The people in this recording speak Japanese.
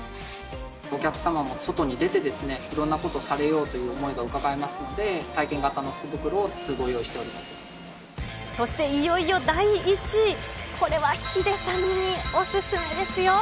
お客様も外に出て、いろんなことされようという思いがうかがえますので、体験型の福袋を多数、そしていよいよ第１位、これはヒデさんにお勧めですよ。